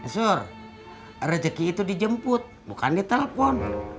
sur rejeki itu dijemput bukan di telpon